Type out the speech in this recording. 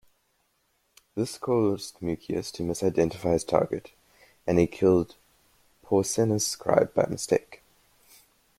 This caused Mucius to misidentify his target, and he killed Porsena's scribe by mistake.